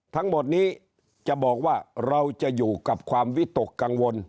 ทั้งหมดนี้จะบอกว่าเราจะอยู่กับความวิตกกังวล